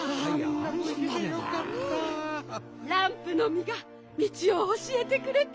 ランプのみがみちをおしえてくれて。